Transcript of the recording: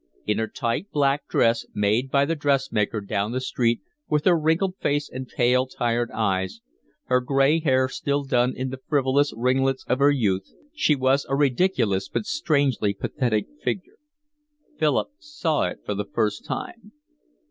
In her tight black dress, made by the dressmaker down the street, with her wrinkled face and pale tired eyes, her gray hair still done in the frivolous ringlets of her youth, she was a ridiculous but strangely pathetic figure. Philip saw it for the first time.